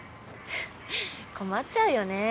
困っちゃうよね。